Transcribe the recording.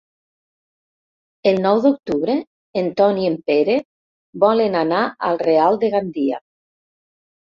El nou d'octubre en Ton i en Pere volen anar al Real de Gandia.